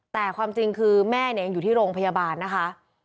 แต่ความจริงคือแม่เนี่ยยังอยู่ที่โรงพยาบาลนะคะ